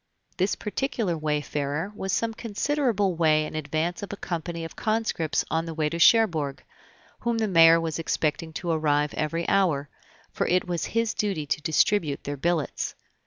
This particular wayfarer was some considerable way in advance of a company of conscripts on the way to Cherbourg, whom the mayor was expecting to arrive every hour, for it was his duty to distribute their billets.